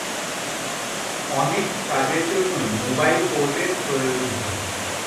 অনেক কাজের জন্যই মোবাইল কোর্টের প্রয়োজন হয়।